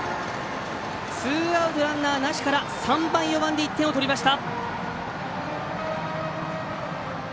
ツーアウト、ランナーなしから３番、４番で１点を取りました！